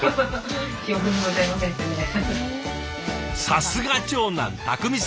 さすが長男匠さん！